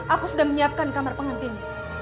aku sudah menyiapkan kamar pengantin